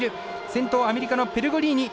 先頭、アメリカのペルゴリーニ。